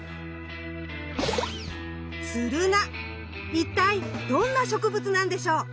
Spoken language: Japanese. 一体どんな植物なんでしょう？